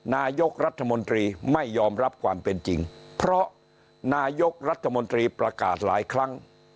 นายกรัฐมนตรีไม่ยอมรับความเป็นจริงเพราะนายกรัฐมนตรีประกาศหลายครั้ง